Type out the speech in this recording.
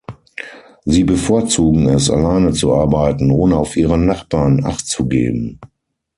Sie bevorzugen es, alleine zu arbeiten, ohne auf ihre Nachbarn Acht zu geben.